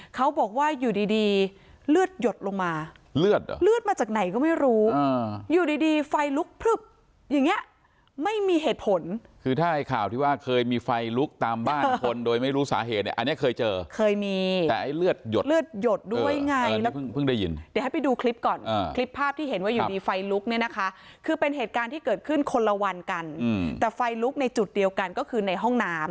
คือถ้าให้ข่าวที่ว่าเคยมีไฟลุกตามบ้านคนโดยไม่รู้สาเหตุเนี้ยอันเนี้ยเคยเจอเคยมีแต่ไอ้เลือดหยดเลือดหยดด้วยไงแล้วเพิ่งได้ยินเดี๋ยวให้ไปดูคลิปก่อนอ่าคลิปภาพที่เห็นว่าอยู่ในไฟลุกเนี้ยนะคะคือเป็นเหตุการณ์ที่เกิดขึ้นคนละวันกันอืมแต่ไฟลุกในจุดเดียวกันก็คือในห้องน้ํ